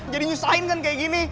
jadi nyusahin kan kayak gini